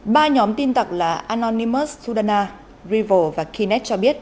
ba nhóm tin tặc là anonymous sudana rival và kinet cho biết